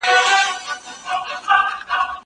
هغه وويل چي امادګي مهم دی؟!